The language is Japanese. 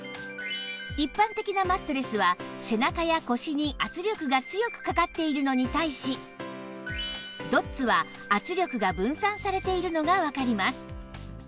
一般的なマットレスは背中や腰に圧力が強くかかっているのに対しドッツは圧力が分散されているのがわかります